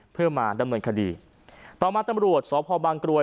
เพื่อมาดำเนินคดีต่อมาตำรวจสพบางกรวย